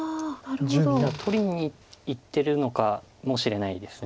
だから取りにいってるのかもしれないです。